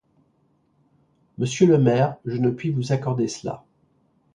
Monsieur le maire, je ne puis vous accorder cela.